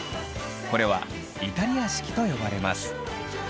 これはイタリア式と呼ばれます。